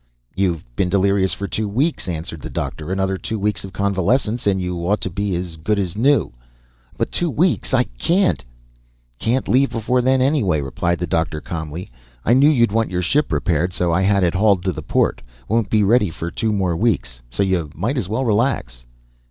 _" "You've been delirious for two weeks," answered the doctor. "Another two weeks of convalescence and you ought to be as good as new." "But two weeks, I can't " "Can't leave before then anyway," replied the doctor calmly. "I knew you'd want your ship repaired so I had it hauled to the port. Won't be ready for two more weeks. So you might as well relax."